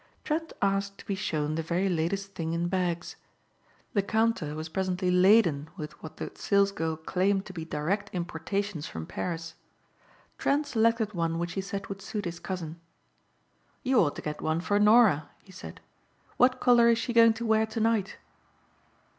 Trent asked to be shown the very latest thing in bags. The counter was presently laden with what the salesgirl claimed to be direct importations from Paris. Trent selected one which he said would suit his cousin. "You ought to get one for Norah," he said. "What color is she going to wear to night?"